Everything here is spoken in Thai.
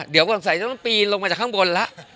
เดี๋ยวก็สงสัยต้องต้องปีนลงมาจากข้างบนแล้ว